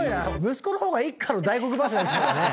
息子の方が一家の大黒柱みたいだね。